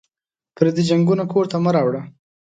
پردي جنګونه کور ته مه راوړه